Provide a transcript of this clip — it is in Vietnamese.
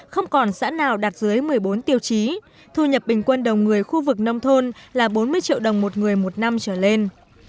không còn xã nào đạt dưới một mươi bốn tiêu chí thu nhập bình quân đầu người khu vực nông thôn là bốn mươi triệu đồng một người một năm trở lên